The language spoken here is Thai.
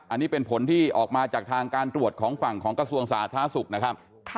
อันนี้เป็นผลที่ออกมาจากทางการตรวจของฝั่งของกระทรวงสาธารณสุขนะครับ